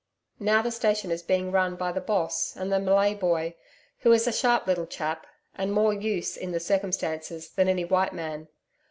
Now the station is being run by the Boss and the Malay boy, who is a sharp little chap, and more use in the circumstances than any white man.